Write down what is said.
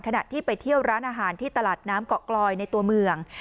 ขณะที่ไปเที่ยวร้านอาหารที่ตลาดน้ำเกาะกลอยในตัวเมือง